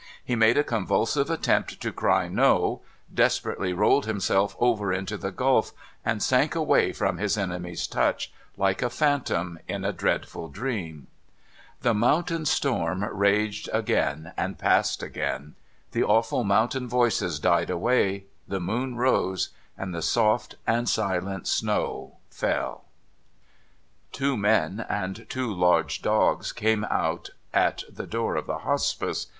He made a convulsive attempt to cry ' No !' desperately rolled himself over into the gulf; and sank away from his enemy's touch, like a phantom in a dreadful dream. The mountain storm raged again, and passed again. The awful mountain voices died away, the moon rose, and the soft and silent snow fell. cy/i^ ^/i(?4oua/f/a4e IN SEARCH OF THE TRAVELLERS 553 Two men and two large dogs came out at the door of the Hospice.